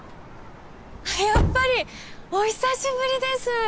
あやっぱり！お久しぶりです。